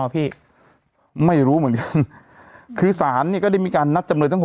พี่ไม่รู้เหมือนกันคือศาลเนี่ยก็ได้มีการนัดจำเลยทั้ง๖